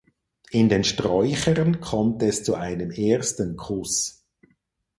In den Sträuchern kommt es zu einem ersten Kuss.